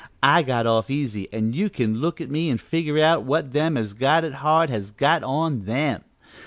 I got off easy, an' you can look at me an' figure on what them as got it hard has got on them.